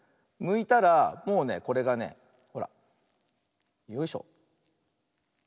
むいたらもうねこれがねほらよいしょ。